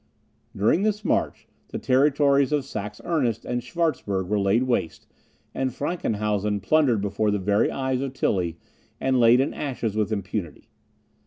During this march, the territories of Saxe Ernest and Schwartzburg were laid waste, and Frankenhausen plundered before the very eyes of Tilly, and laid in ashes with impunity.